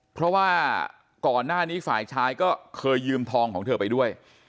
เพราะว่าก่อนหน้านี้ฝ่ายชายก็เคยยืมทองของเธอไปด้วย